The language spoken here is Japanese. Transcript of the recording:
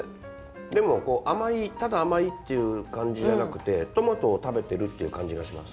でも甘いただ甘いっていう感じじゃなくてトマトを食べてるっていう感じがします。